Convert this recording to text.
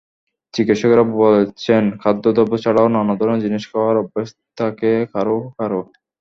চিকিৎসকেরা বলছেন, খাদ্যদ্রব্য ছাড়াও নানা ধরনের জিনিস খাওয়ার অভ্যাস থাকে কারও কারও।